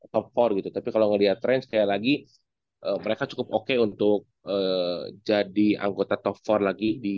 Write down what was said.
top empat gitu tapi kalau ngelihat tren sekali lagi mereka cukup oke untuk jadi anggota top empat lagi di